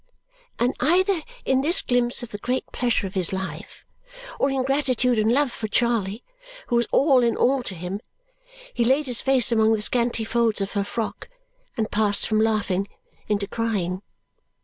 And either in this glimpse of the great pleasure of his life or in gratitude and love for Charley, who was all in all to him, he laid his face among the scanty folds of her frock and passed from laughing into crying.